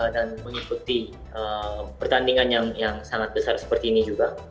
dan mengikuti pertandingan yang sangat besar seperti ini juga